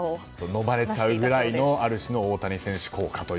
のまれちゃうくらいのある種、大谷選手効果